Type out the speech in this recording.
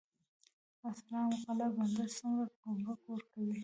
اسلام قلعه بندر څومره ګمرک ورکوي؟